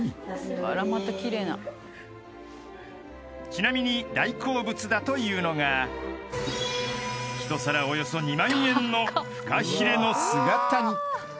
［ちなみに大好物だというのが一皿およそ２万円のフカヒレの姿煮］